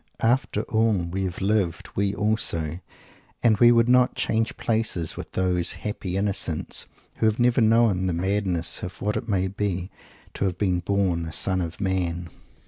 After all, "we have lived"; we also; and we would not "change places" with those "happy innocents" who have never known the madness of what it may be to have been born a son of man!